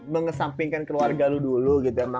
mengesampingkan keluarga lo dulu gitu